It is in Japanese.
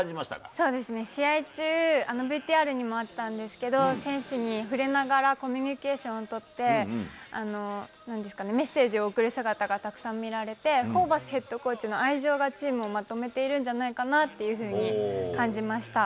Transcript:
そうですね、試合中、ＶＴＲにもあったんですけど、選手に触れながらコミュニケーションを取って、なんですかね、メッセージを送る姿がたくさん見られて、ホーバスヘッドコーチの愛情がチームをまとめているんじゃないかなと感じました。